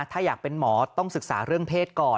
ถ้าอยากเป็นหมอต้องศึกษาเรื่องเพศก่อน